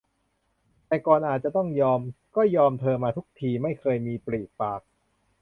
แต่ก่อนอาจจะต้องยอม ก็ยอมเธอมาทุกที ไม่เคยมีปริปาก